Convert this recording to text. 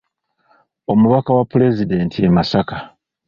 Omubaka wa Pulezidenti e Masaka.